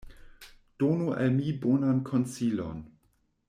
Donu al mi bonan konsilon.